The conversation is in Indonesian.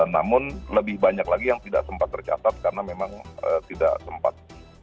namun lebih banyak lagi yang tidak sempat tercatat karena memang tidak sempat